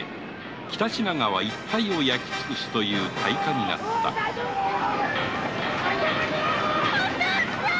北品川一帯を焼き尽くすという大火になったお父っつぁん！